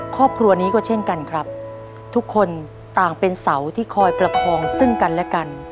ครอบครัวนี้ก็เช่นกันครับทุกคนต่างเป็นเสาที่คอยประคองซึ่งกันและกัน